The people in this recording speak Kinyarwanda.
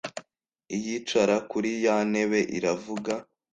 Iyicara kuri ya ntebe iravuga